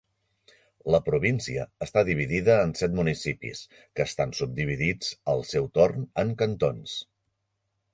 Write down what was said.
La província està dividida en set municipis, que estan subdividits al seu torn en cantons.